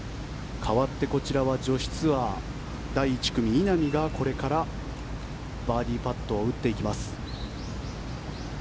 かわってこちらは女子ツアー第１組、稲見がこれからバーディーパットを打っていきます。